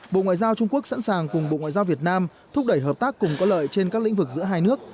bộ ngoại giao trung quốc sẵn sàng cùng bộ ngoại giao việt nam thúc đẩy hợp tác cùng có lợi trên các lĩnh vực giữa hai nước